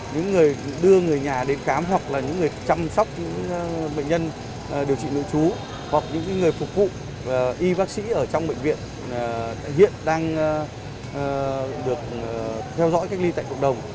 những người đưa người nhà đến khám hoặc là những người chăm sóc những bệnh nhân điều trị nội chú hoặc những người phục vụ y bác sĩ ở trong bệnh viện hiện đang được theo dõi cách ly tại cộng đồng